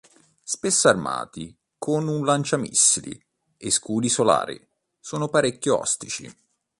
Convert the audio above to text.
Spesso armati con un lanciamissili e scudi Solari, sono parecchio ostici.